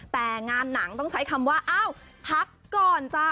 แต่งานหนังต้องใช้คำว่าอ้าวพักก่อนจ้า